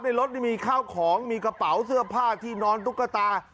รถนี่มีข้าวของมีกระเป๋าเสื้อผ้าที่นอนตุ๊กตา